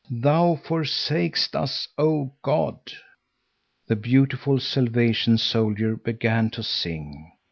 Thou forsakest us, O God!" The beautiful salvation soldier began to sing.